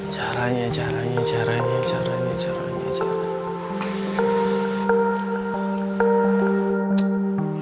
caranya caranya caranya caranya caranya cara